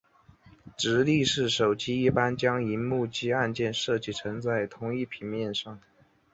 直立式手机一般将萤幕及按键设计成在同一平面上。